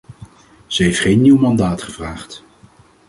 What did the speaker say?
Ze heeft geen nieuw mandaat gevraagd.